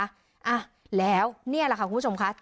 อ่าแล้วเนี่ยล่ะค่ะคุณผู้ชมคะ